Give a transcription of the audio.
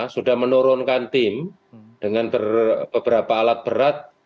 sudah menurunkan tim dengan beberapa alat berat